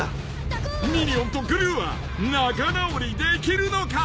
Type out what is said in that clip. ［ミニオンとグルーは仲直りできるのか？］